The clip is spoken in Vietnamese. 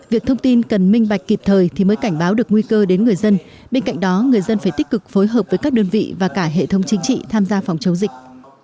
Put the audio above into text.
việc thông tin cần minh bạch kịp thời thì mới cảnh báo được nguy cơ đến người dân bên cạnh đó người dân phải tích cực phối hợp với các đơn vị và cả hệ thống chính trị tham gia phòng chống dịch